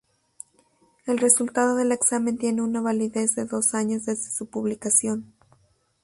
El resultado del examen tiene una validez de dos años desde su publicación.